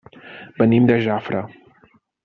Venim de Jafre.